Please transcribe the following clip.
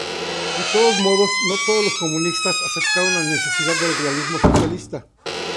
De todos modos, no todos los comunistas aceptaron la necesidad del realismo socialista.